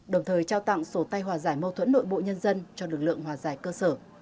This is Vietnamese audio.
đồng thời trao tặng sổ tay hòa giải mâu thuẫn nội bộ nhân dân cho lực lượng hòa giải cơ sở